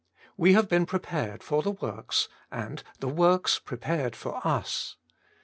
We have been prepared for the works, and the works prepared for us.